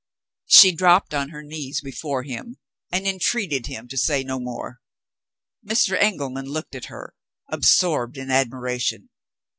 She dropped on her knees before him, and entreated him to say no more. Mr. Engelman looked at her, absorbed in admiration.